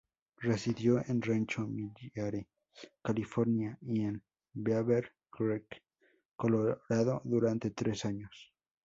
Residió en Rancho Mirage, California y en Beaver Creek Colorado durante tres años.